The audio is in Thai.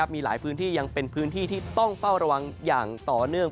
มีหลายพื้นที่ยังเป็นพื้นที่ที่ต้องเฝ้าระวังอย่างต่อเนื่อง